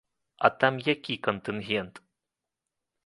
А там які кантынгент?